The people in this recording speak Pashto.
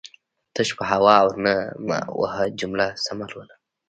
تش په هو او نه مه وهه جمله سمه لوله